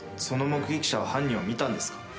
その目撃者は犯人を見たんですか？